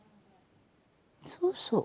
そうそう。